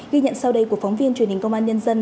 ghi nhận sau đây của phóng viên truyền hình công an nhân dân